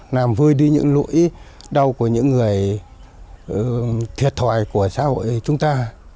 làm vơi đi những nỗi đau của những người thiệt thòi của xã hội chúng ta